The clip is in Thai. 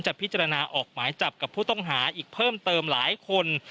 พิจารณาออกหมายจับกับผู้ต้องหาอีกเพิ่มเติมหลายคน